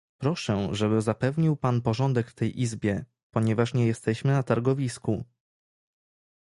Proszę żeby zapewnił pan porządek w tej Izbie, ponieważ nie jesteśmy na targowisku